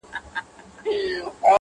زورور له زورور څخه ډارېږي؛